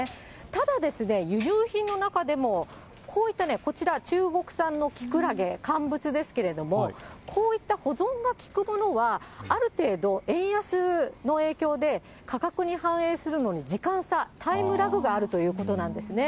ただですね、輸入品の中でも、こういったこちら、中国産のきくらげ、乾物ですけれども、こういった保存がきくものは、ある程度、円安の影響で、価格に反映するのに時間差、タイムラグがあるということなんですね。